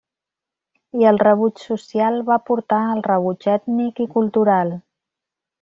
I el rebuig social va portar al rebuig ètnic i cultural.